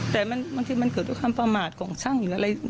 แต่มันมันคือมันเกิดความประมาทของช่างหรืออะไร